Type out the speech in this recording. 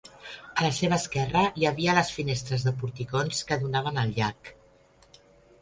A la seva esquerra hi havia les finestres de porticons que donaven al llac.